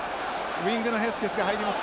ウイングのヘスケスが入ります。